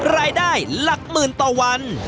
รายได้หลักหมื่นต่อวัน